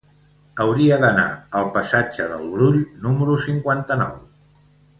Hauria d'anar al passatge del Brull número cinquanta-nou.